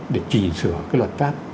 để chỉ sửa cái luật pháp